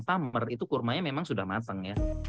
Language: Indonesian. tamar itu kurmanya memang sudah matang